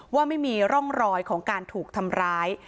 ว่าไม่มีร่องรอยของการถูกทำร้าย